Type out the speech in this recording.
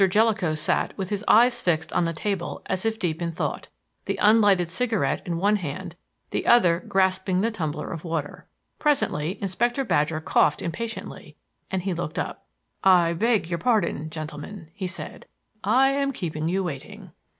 Jellicoe sat with his eyes fixed on the table as if deep in thought, the unlighted cigarette in one hand, the other grasping the tumbler of water. Presently Inspector Badger coughed impatiently and he looked up. "I beg your pardon, gentleman," he said. "I am keeping you waiting."